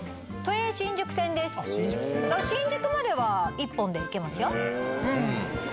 新宿までは１本で行けますよ。